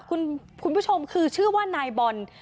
คุณผู้ชมคือชื่อว่านายบอล